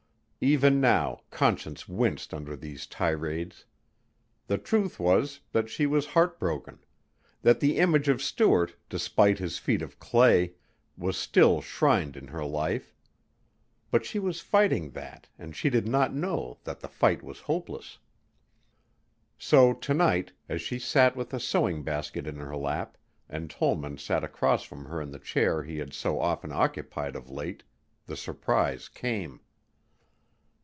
Even now Conscience winced under these tirades. The truth was that she was heart broken; that the image of Stuart, despite his feet of clay, was still shrined in her life. But she was fighting that and she did not know that the fight was hopeless. So to night, as she sat with a sewing basket in her lap and Tollman sat across from her in the chair he had so often occupied of late, the surprise came.